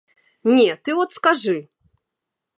Не, ты от скажы?